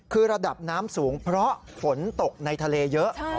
คือระดับน้ำสูงเพราะฝนตกในทะเลเยอะ